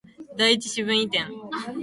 第一四分位点